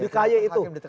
di kay itu